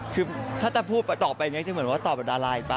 คือถ้าแต่พูดตอบไปยังไงจะเหมือนว่าตอบกับดาราอีกปะ